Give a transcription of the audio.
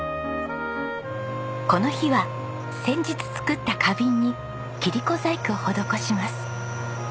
この日は先日作った花瓶に切子細工を施します。